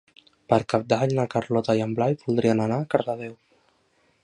Per Cap d'Any na Carlota i en Blai voldrien anar a Cardedeu.